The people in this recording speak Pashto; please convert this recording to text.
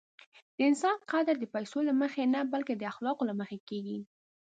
د انسان قدر د پیسو له مخې نه، بلکې د اخلاقو له مخې کېږي.